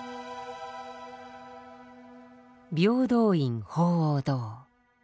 平等院鳳凰堂。